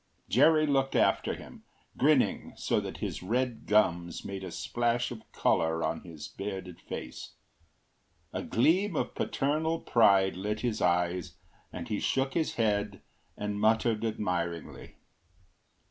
Jerry looked after him, grinning so that his red gums made a splash of colour on his bearded face. A gleam of paternal pride lit his eyes and he shook his head and muttered admiringly.